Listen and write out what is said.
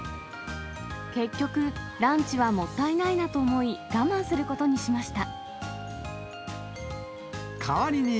結局、ランチはもったいないなと思い、我慢することにしました。